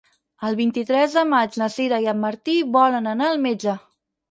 El vint-i-tres de maig na Sira i en Martí volen anar al metge.